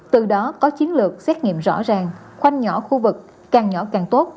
từ đó có chiến lược xét nghiệm rõ ràng khoanh nhỏ khu vực càng nhỏ càng tốt